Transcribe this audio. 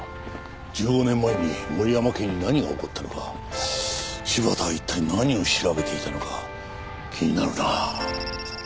１５年前に森山家に何が起こったのか柴田は一体何を調べていたのか気になるな。